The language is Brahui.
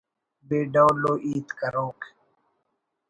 بے ڈول ءُ ہیت کروک